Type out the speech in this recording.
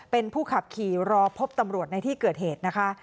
เป็นผู้ขับขี่รอพบตำรวจในที่เกิดเหตุนะคะ